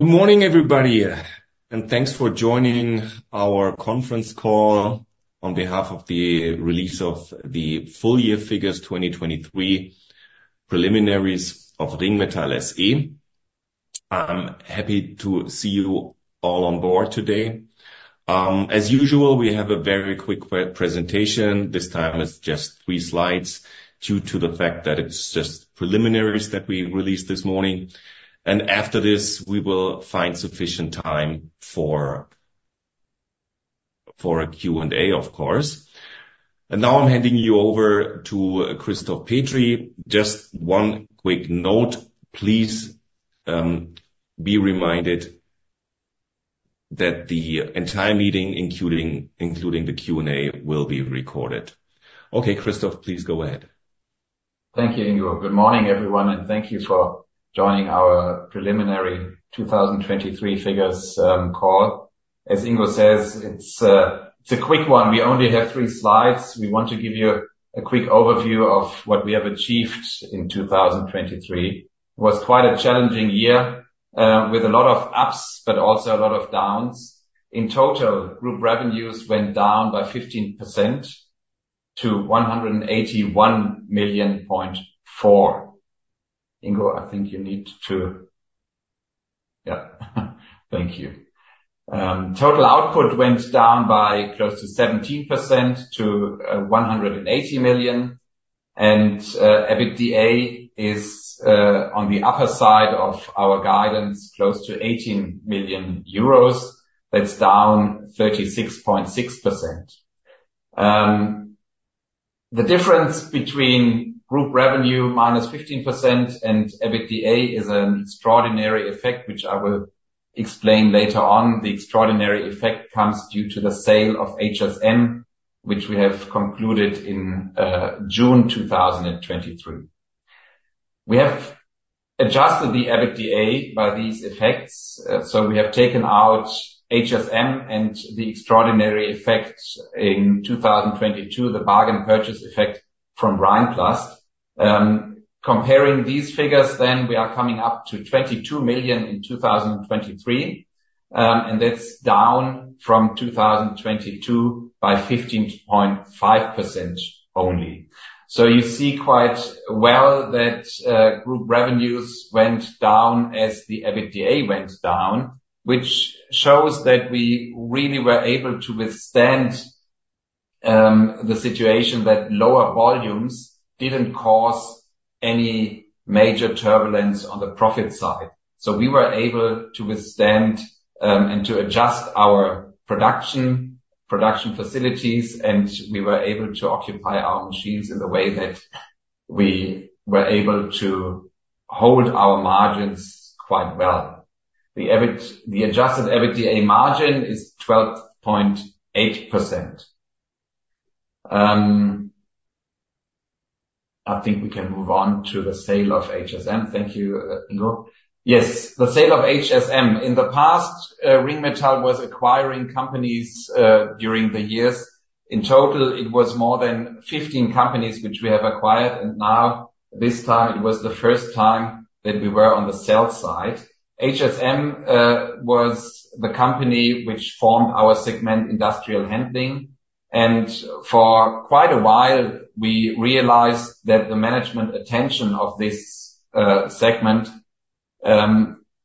Good morning, everybody, and thanks for joining our conference call on behalf of the release of the full-year figures, 2023 preliminaries of Ringmetall SE. I'm happy to see you all on board today. As usual, we have a very quick pre-presentation. This time it's just three slides due to the fact that it's just preliminaries that we released this morning, and after this, we will find sufficient time for a Q&A, of course. And now I'm handing you over to Christoph Petri. Just one quick note, please, be reminded that the entire meeting, including the Q&A, will be recorded. Okay, Christoph, please go ahead. Thank you, Ingo. Good morning, everyone, and thank you for joining our preliminary 2023 figures call. As Ingo says, it's a quick one. We only have three slides. We want to give you a quick overview of what we have achieved in 2023. It was quite a challenging year with a lot of ups, but also a lot of downs. In total, group revenues went down by 15% to 181.4 million. Ingo, I think you need to... Yeah, thank you. Total output went down by close to 17% to 180 million, and EBITDA is on the upper side of our guidance, close to 18 million euros. That's down 36.6%. The difference between group revenue -15% and EBITDA is an extraordinary effect, which I will explain later on. The extraordinary effect comes due to the sale of HSM, which we have concluded in June 2023. We have adjusted the EBITDA by these effects, so we have taken out HSM and the extraordinary effects in 2022, the bargain purchase effect from Rhein-Plast. Comparing these figures, then we are coming up to 22 million in 2023, and that's down from 2022 by 15.5% only. So you see quite well that, group revenues went down as the EBITDA went down, which shows that we really were able to withstand the situation, that lower volumes didn't cause any major turbulence on the profit side. So we were able to withstand and to adjust our production, production facilities, and we were able to occupy our machines in the way that we were able to hold our margins quite well. The EBITDA, the adjusted EBITDA margin is 12.8%. I think we can move on to the sale of HSM. Thank you, Ingo. Yes, the sale of HSM. In the past, Ringmetall was acquiring companies during the years. In total, it was more than 15 companies which we have acquired, and now, this time, it was the first time that we were on the sales side. HSM was the company which formed our segment, Industrial Handling, and for quite a while, we realized that the management attention of this segment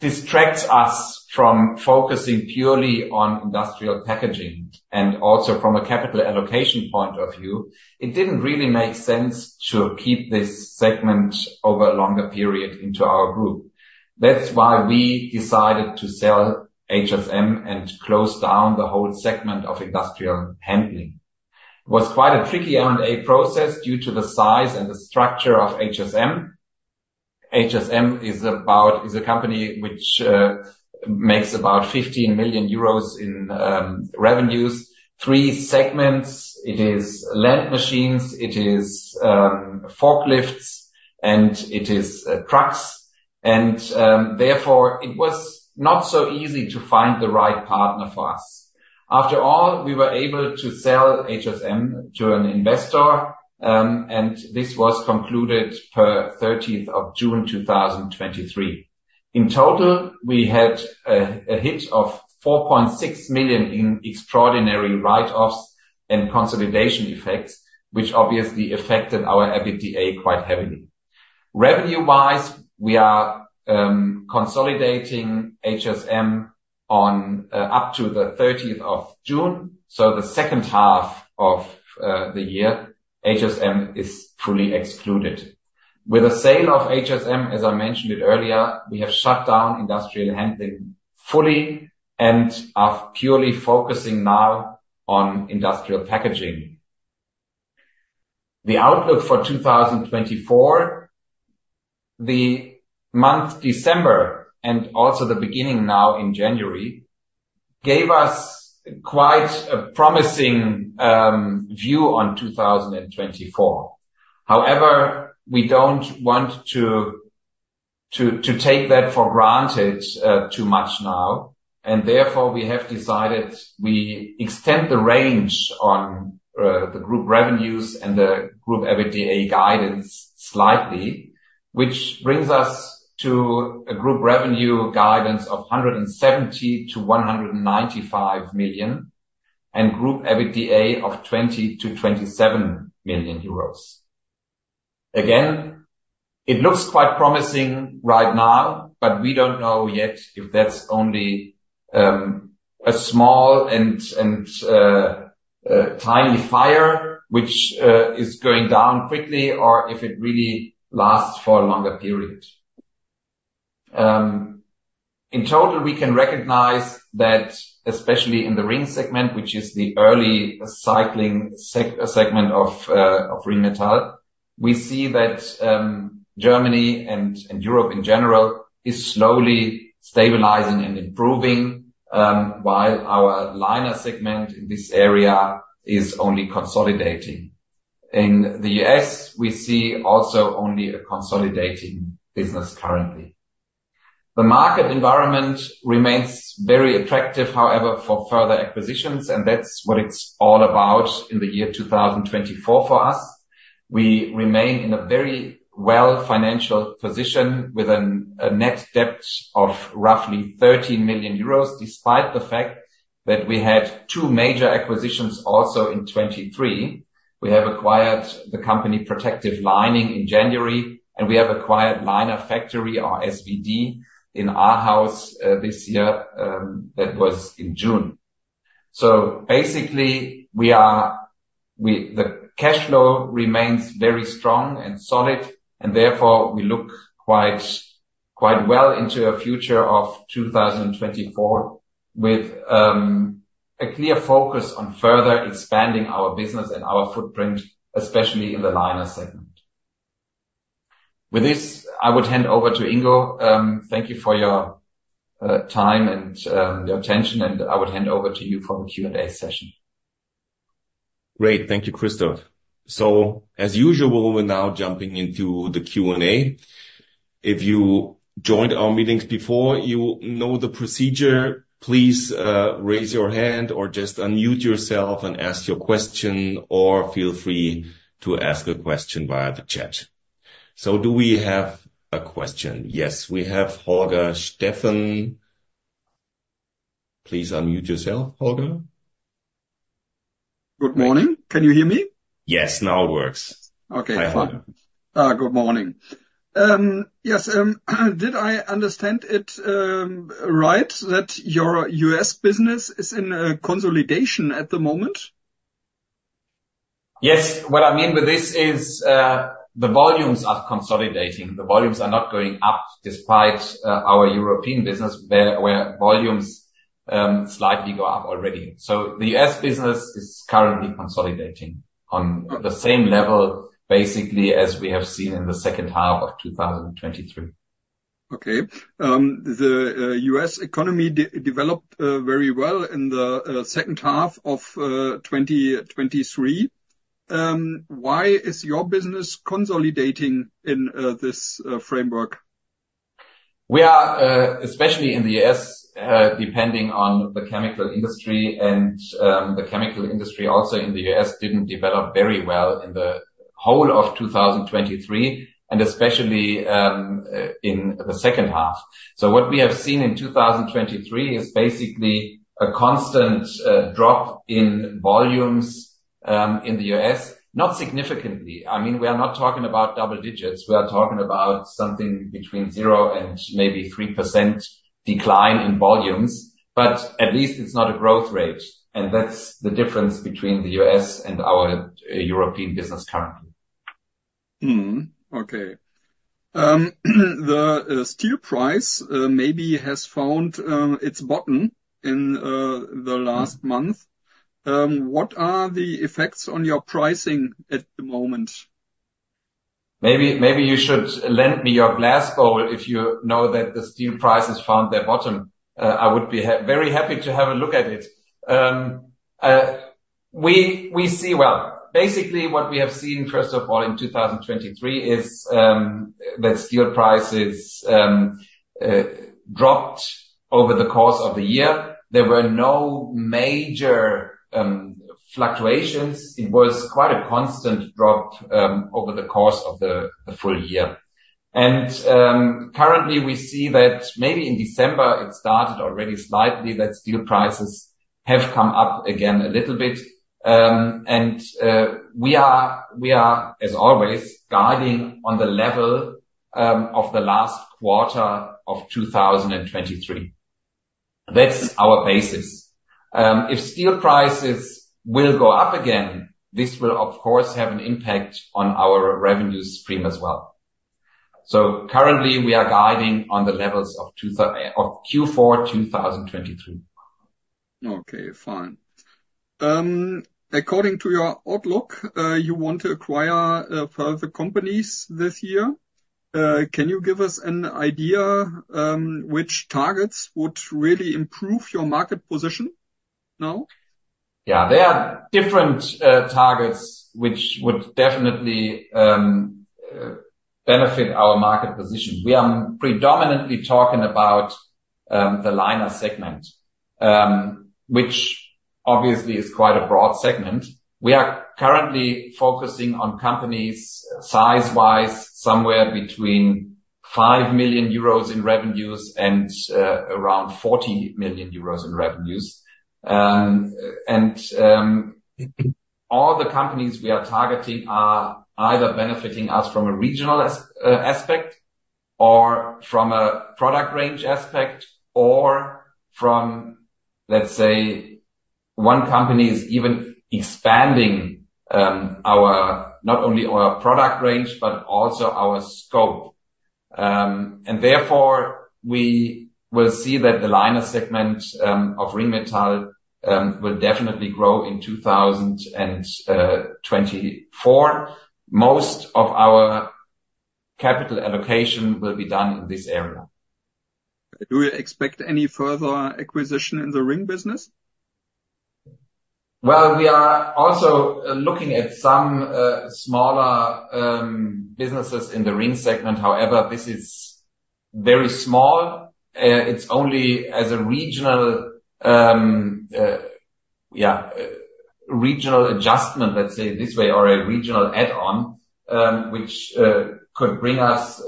distracts us from focusing purely on Industrial Packaging and also from a capital allocation point of view. It didn't really make sense to keep this segment over a longer period into our group. That's why we decided to sell HSM and close down the whole segment of Industrial Handling. It was quite a tricky M&A process due to the size and the structure of HSM. HSM is about, is a company which makes about 15 million euros in revenues. Three segments: it is land machines, it is forklifts, and it is trucks, and therefore, it was not so easy to find the right partner for us. After all, we were able to sell HSM to an investor, and this was concluded per 13th of June 2023. In total, we had a hit of 4.6 million in extraordinary write-offs and consolidation effects, which obviously affected our EBITDA quite heavily. Revenue-wise, we are consolidating HSM on up to the 13th of June, so the H2 of the year, HSM is fully excluded. With the sale of HSM, as I mentioned it earlier, we have shut down Industrial Handling fully and are purely focusing now on Industrial Packaging. The outlook for 2024, the month December, and also the beginning now in January, gave us quite a promising view on 2024. However, we don't want to take that for granted too much now, and therefore, we have decided we extend the range on the group revenues and the group EBITDA guidance slightly, which brings us to a group revenue guidance of 170 million-195 million, and group EBITDA of 20 million-27 million euros. Again, it looks quite promising right now, but we don't know yet if that's only a small and tiny fire, which is going down quickly, or if it really lasts for a longer period. In total, we can recognize that especially in the Ring segment, which is the early cyclical segment of Ringmetall, we see that Germany and Europe in general is slowly stabilizing and improving, while our Liner segment in this area is only consolidating. In the U.S., we see also only a consolidating business currently. The market environment remains very attractive, however, for further acquisitions, and that's what it's all about in the year 2024 for us. We remain in a very well financial position, with a net debt of roughly 13 million euros, despite the fact that we had two major acquisitions also in 2023. We have acquired the company, Protective Lining, in January, and we have acquired Liner Factory or SVD in Ahaus, this year, that was in June. So basically, the cash flow remains very strong and solid, and therefore, we look quite, quite well into a future of 2024, with a clear focus on further expanding our business and our footprint, especially in the Liner segment. With this, I would hand over to Ingo. Thank you for your time and your attention, and I would hand over to you for the Q&A session. Great. Thank you, Christoph. So, as usual, we're now jumping into the Q&A. If you joined our meetings before, you know the procedure. Please, raise your hand or just unmute yourself and ask your question, or feel free to ask a question via the chat. So do we have a question? Yes, we have Holger Steffen. Please unmute yourself, Holger. Good morning. Can you hear me? Yes, now it works. Okay, fine. Hi, Holger. Good morning. Yes, did I understand it right, that your U.S. business is in a consolidation at the moment? Yes. What I mean by this is, the volumes are consolidating. The volumes are not going up, despite, our European business, where, where volumes, slightly go up already. So the U.S. business is currently consolidating on the same level, basically, as we have seen in the H2 of 2023. Okay. The U.S. economy developed very well in the H2 of 2023. Why is your business consolidating in this framework? We are, especially in the U.S., depending on the chemical industry and, the chemical industry also in the U.S., didn't develop very well in the whole of 2023, and especially, in the H2. So what we have seen in 2023 is basically a constant, drop in volumes, in the U.S. Not significantly, I mean, we are not talking about double digits. We are talking about something between 0% and maybe 3% decline in volumes, but at least it's not a growth rate, and that's the difference between the U.S. and our, European business currently. Mm-hmm. Okay. The steel price maybe has found its bottom in the last month. What are the effects on your pricing at the moment? Maybe, maybe you should lend me your glass or if you know that the steel prices found their bottom, I would be very happy to have a look at it. We see... Well, basically, what we have seen, first of all, in 2023 is that steel prices dropped over the course of the year. There were no major fluctuations. It was quite a constant drop over the course of the full year. And currently, we see that maybe in December it started already slightly, that steel prices have come up again a little bit. And we are, as always, guiding on the level of the last quarter of 2023. That's our basis. If steel prices go up again, this will, of course, have an impact on our revenue stream as well. Currently, we are guiding on the levels of two thirds of Q4 2023. Okay, fine. According to your outlook, you want to acquire further companies this year. Can you give us an idea, which targets would really improve your market position now?... Yeah, there are different targets which would definitely benefit our market position. We are predominantly talking about the liner segment, which obviously is quite a broad segment. We are currently focusing on companies size-wise, somewhere between 5 million euros in revenues and around 40 million euros in revenues. All the companies we are targeting are either benefiting us from a regional aspect, or from a product range aspect, or from, let's say, one company is even expanding not only our product range, but also our scope. Therefore, we will see that the liner segment of Ringmetall will definitely grow in 2024. Most of our capital allocation will be done in this area. Do you expect any further acquisition in the ring business? Well, we are also looking at some smaller businesses in the ring segment. However, this is very small. It's only as a regional adjustment, let's say this way, or a regional add-on, which could bring us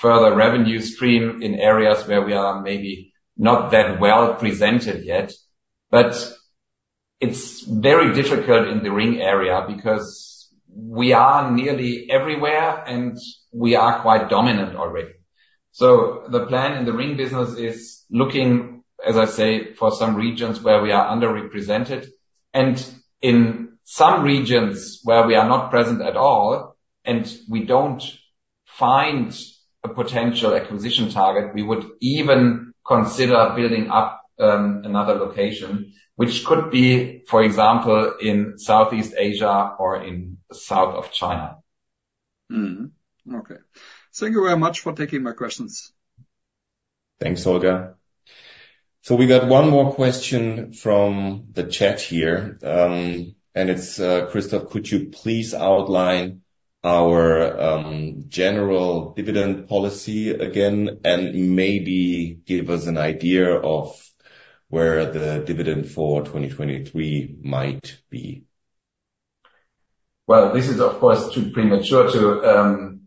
further revenue stream in areas where we are maybe not that well presented yet. But it's very difficult in the ring area because we are nearly everywhere, and we are quite dominant already. So the plan in the ring business is looking, as I say, for some regions where we are underrepresented, and in some regions where we are not present at all, and we don't find a potential acquisition target, we would even consider building up another location, which could be, for example, in Southeast Asia or in south of China. Mm-hmm. Okay. Thank you very much for taking my questions. Thanks, Holger. So we got one more question from the chat here, and it's, Christoph: Could you please outline our general dividend policy again and maybe give us an idea of where the dividend for 2023 might be? Well, this is, of course, too premature to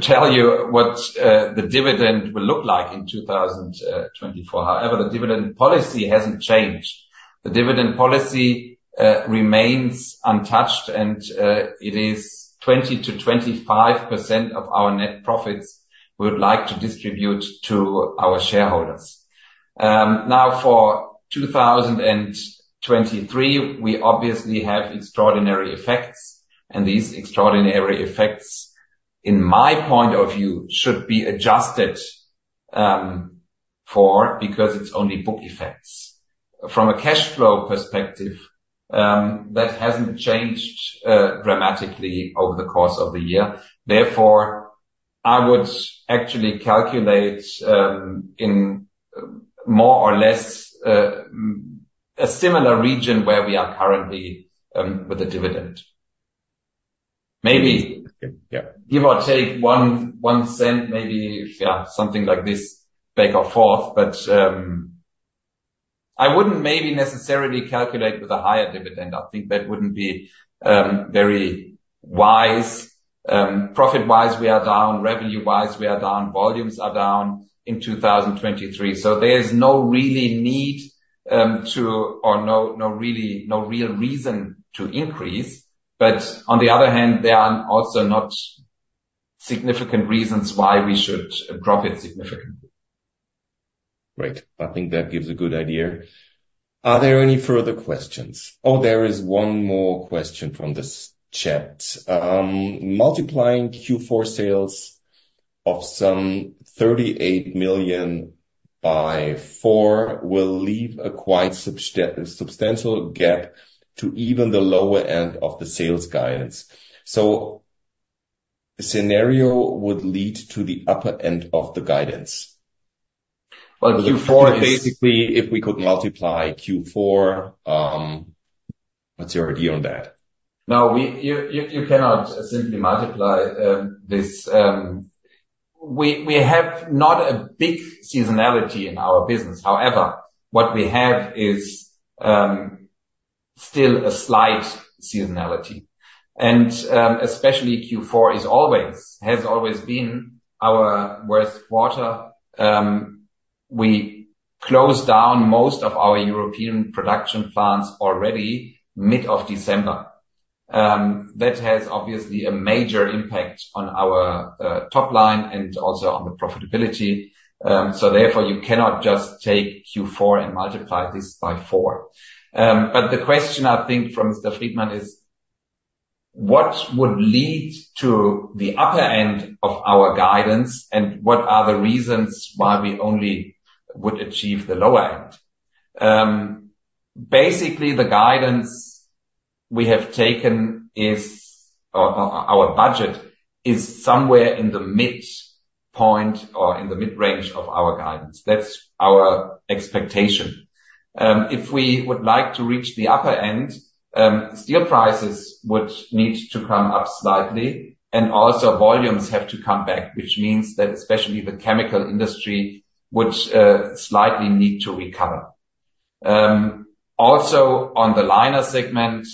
tell you what the dividend will look like in 2024. However, the dividend policy hasn't changed. The dividend policy remains untouched, and it is 20%-25% of our net profits we would like to distribute to our shareholders. Now, for 2023, we obviously have extraordinary effects, and these extraordinary effects, in my point of view, should be adjusted for, because it's only book effects. From a cash flow perspective, that hasn't changed dramatically over the course of the year. Therefore, I would actually calculate in more or less a similar region where we are currently with the dividend. Maybe- Yeah. - Give or take 0.01, maybe, yeah, something like this, back or forth. But I wouldn't maybe necessarily calculate with a higher dividend. I think that wouldn't be very wise. Profit-wise, we are down. Revenue-wise, we are down. Volumes are down in 2023, so there's no real reason to increase. But on the other hand, there are also not significant reasons why we should drop it significantly. Great. I think that gives a good idea. Are there any further questions? Oh, there is one more question from this chat. Multiplying Q4 sales of some 38 million by four will leave a quite substantial gap to even the lower end of the sales guidance. So the scenario would lead to the upper end of the guidance. Well, Q4 is- Basically, if we could multiply Q4, what's your view on that? No, you cannot simply multiply this. We have not a big seasonality in our business. However, what we have is still a slight seasonality. And especially Q4 is always, has always been our worst quarter. We close down most of our European production plants already mid of December. That has obviously a major impact on our top line and also on the profitability. So therefore, you cannot just take Q4 and multiply this by four. But the question, I think, from Mr. Friedman is: What would lead to the upper end of our guidance, and what are the reasons why we only would achieve the lower end? Basically, the guidance we have taken is our budget is somewhere in the midpoint or in the mid-range of our guidance. That's our expectation. If we would like to reach the upper end, steel prices would need to come up slightly, and also volumes have to come back, which means that especially the chemical industry, which slightly need to recover. Also on the liner segment,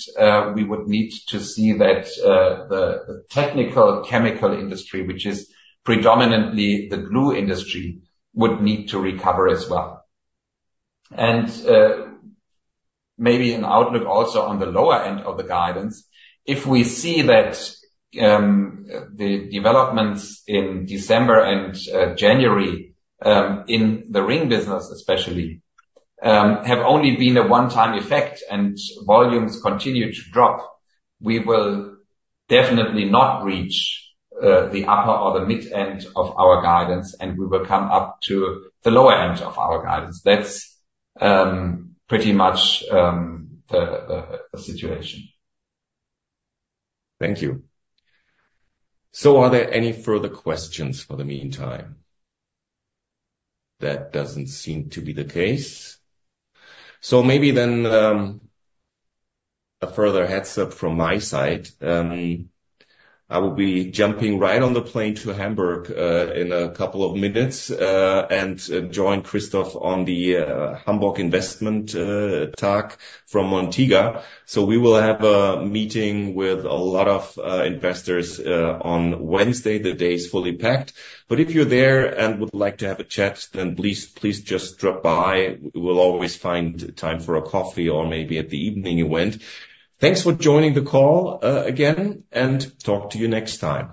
we would need to see that the technical chemical industry, which is predominantly the glue industry, would need to recover as well. And maybe an outlook also on the lower end of the guidance, if we see that the developments in December and January, in the ring business especially, have only been a one-time effect and volumes continue to drop, we will definitely not reach the upper or the mid-end of our guidance, and we will come up to the lower end of our guidance. That's pretty much the situation. Thank you. So are there any further questions for the meantime? That doesn't seem to be the case. So maybe then, a further heads up from my side. I will be jumping right on the plane to Hamburg in a couple of minutes and join Christoph on the Hamburg Investment Talk from Montega. So we will have a meeting with a lot of investors on Wednesday. The day is fully packed, but if you're there and would like to have a chat, then please, please just drop by. We will always find time for a coffee or maybe at the evening event. Thanks for joining the call again and talk to you next time.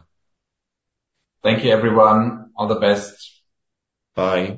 Thank you, everyone. All the best. Bye.